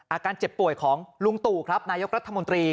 อาการเจ็บป่วยของลุงตู่ครับนายกรัฐมนตรี